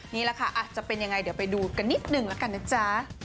นี่แหละค่ะอาจจะเป็นยังไงเดี๋ยวไปดูกันนิดนึงละกันนะจ๊ะ